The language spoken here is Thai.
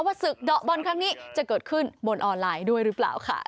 ศึกเดาะบอลครั้งนี้จะเกิดขึ้นบนออนไลน์ด้วยหรือเปล่าค่ะ